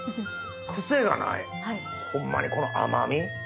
癖がないホンマにこの甘味。